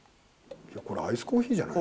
これアイスコーヒーじゃない？